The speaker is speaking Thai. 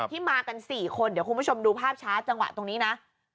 มากัน๔คนเดี๋ยวคุณผู้ชมดูภาพช้าจังหวะตรงนี้นะ